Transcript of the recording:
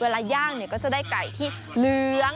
ย่างก็จะได้ไก่ที่เหลือง